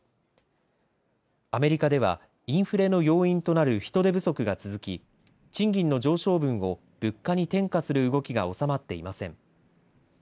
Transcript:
アメリカではインフレの要因となる人手不足が続き賃金の上昇分を物価に転嫁する動きが収まっていません。